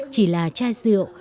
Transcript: chỉ là chai rượu